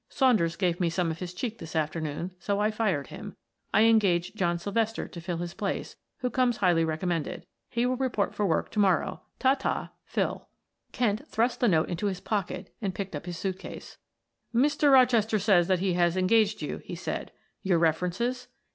Saunders gave me some of his cheek this afternoon, so I fired him. I engaged John Sylvester to fill his place, who comes highly recommended. He will report for work to morrow. Ta ta PHIL." Kent thrust the note into his pocket and picked up his suit case. "Mr. Rochester states that he has engaged you," he said. "Your references